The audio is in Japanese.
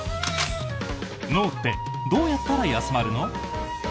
脳ってどうやったら休まるの？